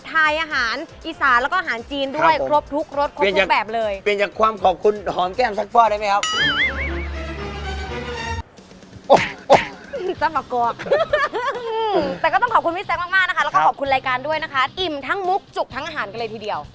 ทายอาหารอีสานแล้วก็อาหารจีนด้วยครบทุกครบทุกแบบเลย